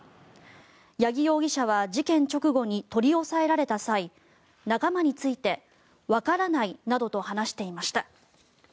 八木容疑者は事件直後に取り押さえられた際仲間について、わからないなどと話していました。